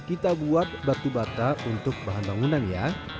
kita buat batu bata untuk bahan bangunan ya